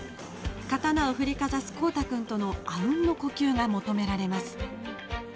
刀を振りかざす孝汰君とのあうんの呼吸が求められます。